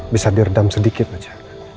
bisa diredam sedikit aja